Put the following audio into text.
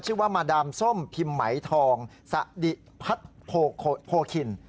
ชื่อว่ามาดามส้มพิมหมายทองสะดิพัดโภคิน